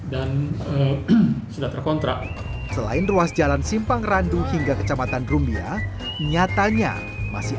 dan sudah terkontrak selain ruas jalan simpang randu hingga kecamatan brumbia nyatanya masih